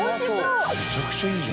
めちゃくちゃいいじゃん。